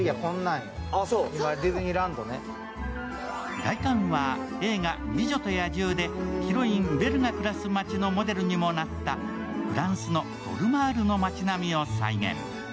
外観は映画「美女と野獣」でヒロイン、ベルが暮らす街のモデルにもなったフランスのコルマールの街並みを再現。